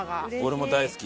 俺も大好き。